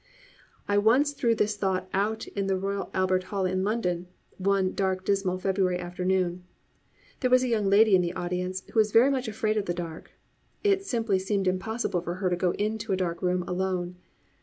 I once threw this thought out in the Royal Albert Hall in London, one dark dismal February afternoon. There was a young lady in the audience who was very much afraid of the dark. It simply seemed impossible for her to go into a dark room alone.